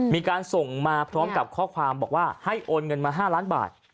มีการส่งมาพร้อมกับข้อความบอกว่าให้โอนเงินมา๕ล้านบาท